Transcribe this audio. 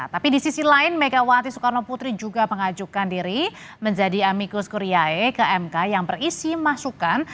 tapi di sisi lain megawati soekarno putri juga mengajukan diri menjadi amikus kuriyae ke mk yang berisi masukan